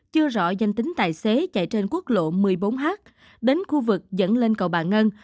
chưa rõ danh tính tài xế chạy trên quốc lộ một mươi bốn h đến khu vực dẫn lên cầu bà ngân